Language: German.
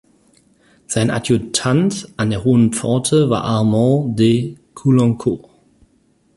Sein Adjutant an der Hohen Pforte war Armand de Caulaincourt.